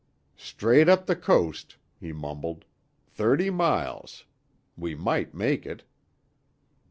"Straight up the coast," he mumbled. "Thirty miles. We might make it."